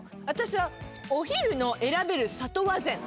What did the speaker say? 私はお昼の選べるさと和膳。